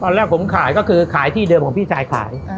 แรกผมขายก็คือขายที่เดิมของพี่ชายขาย